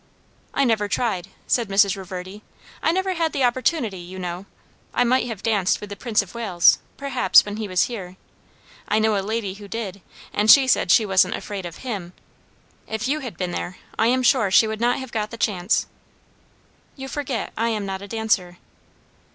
"I never tried," said Mrs. Reverdy; "I never had the opportunity, you know. I might have danced with the Prince of Wales, perhaps, when he was here. I know a lady who did, and she said she wasn't afraid of him. If you had been there, I am sure she would not have got the chance." "You forget, I am not a dancer."